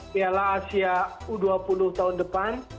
piala asia u dua puluh tahun depan